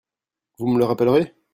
Vous me le rappellerez ?